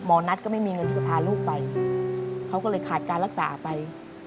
มองนัดและงอกไม่มีเงินที่จะพาลูกไปเค้าก็เลยขาดการรักษาไป